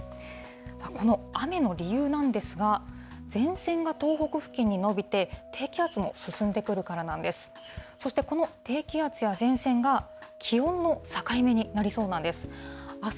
この雨の理由なんですが、前線が東北付近に延びて、低気圧が進んでくるからなんです。